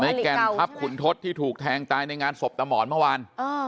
แก่นทัพขุนทศที่ถูกแทงตายในงานศพตามหมอนเมื่อวาน